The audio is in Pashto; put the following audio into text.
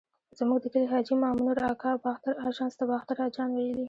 زموږ د کلي حاجي مامنور اکا باختر اژانس ته باختر اجان ویل.